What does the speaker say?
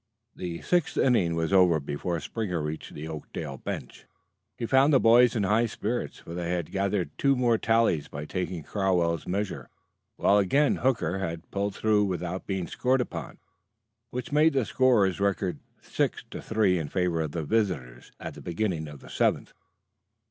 The sixth inning was over before Springer reached the Oakdale bench. He found the boys in high spirits, for they had gathered two more tallies by taking Crowell's measure, while again Hooker had pulled through without being scored upon, which made the scorers' record six to three in favor of the visitors at the beginning of the seventh.